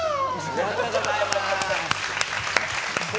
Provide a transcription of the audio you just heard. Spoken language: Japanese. ありがとうございます。